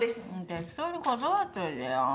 適当に断っといてよ。